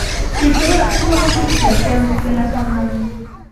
Sinshobora kubaho gutya byavuzwe na kamanzi